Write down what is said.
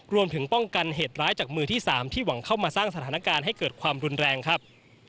รวมถึงป้องกันเหตุร้ายจากมือที่๓ที่หวังเข้ามาสร้างสถานการณ์ให้เกิดความรุนแรงครับ